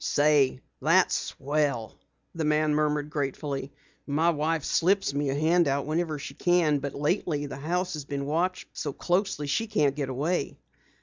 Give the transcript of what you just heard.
"Say, that's swell!" the man murmured gratefully. "My wife slips me a handout whenever she can, but lately the house has been watched so closely, she can't get away."